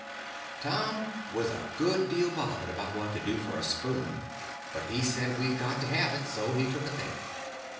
Tom was a good deal bothered about what to do for a spoon, but he said we'd got to have it; so he took a think.